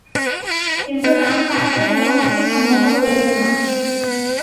কিন্তু রাম তাহাতে কোনমতেই সম্মত হইলেন না।